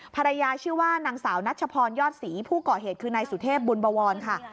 ภรรยาชื่อว่านางสาวนัชพรยอดศรีผู้ก่อเหตุคือนายสุเทพบุญบวรค่ะ